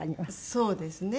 そうですね。